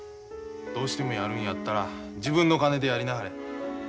「どうしてもやるんやったら自分の金でやりなはれ。